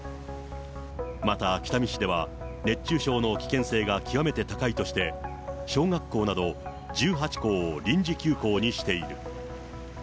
また北見市では、熱中症の危険性が極めて高いとして、小学校など、１８校を臨時休校にしている。